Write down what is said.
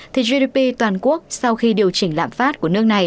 thì gdp toàn quốc sau khi điều chỉnh lạm phát của nước này